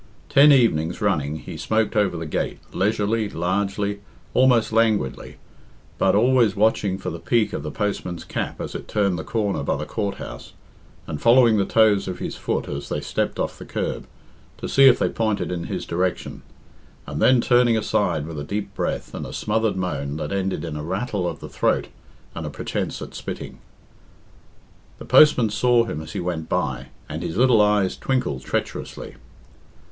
Ten evenings running he smoked over the gate, leisurely, largely, almost languidly, hut always watching for the peak of the postman's cap as it turned the corner by the Court house, and following the toes of his foot as they stepped off the curb, to see if they pointed in his direction and then turning aside with a deep breath and a smothered moan that ended in a rattle of the throat and a pretence at spitting. The postman saw him as he went by, and his little eyes twinkled treacherously.